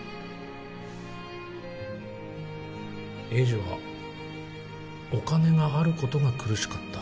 栄治はお金があることが苦しかった。